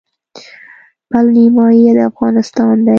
پل نیمايي د افغانستان دی.